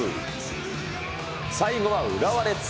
最後は浦和レッズ。